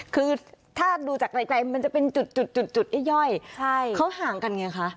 คือถ้าดูจากไกลมันจะเป็นจุดย่อยเขาห่างกันไงคะ